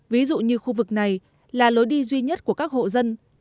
ví dụ như khu vực này là lối đi duy nhất của các hộ dân